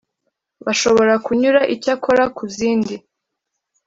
bashobora kunyura Icyakora ku zindi